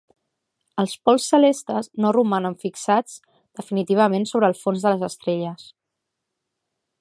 Els pols celestes no romanen fixats definitivament sobre el fons de les estrelles.